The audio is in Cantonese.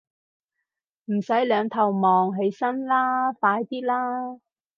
唔使兩頭望，起身啦，快啲啦